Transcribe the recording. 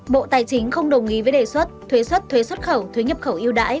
bộ tài chính không đồng ý với đề xuất thuế xuất thuế xuất khẩu thuế nhập khẩu yêu đãi